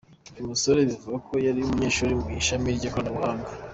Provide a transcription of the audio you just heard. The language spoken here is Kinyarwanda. Uyu musore bivugwa ko yari umunyeshuri mu ishami ry’ikoranabuhanga.